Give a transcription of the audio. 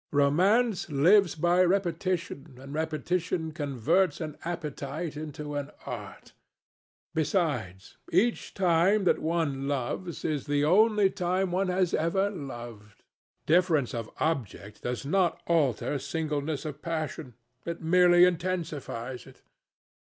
Romance lives by repetition, and repetition converts an appetite into an art. Besides, each time that one loves is the only time one has ever loved. Difference of object does not alter singleness of passion. It merely intensifies it.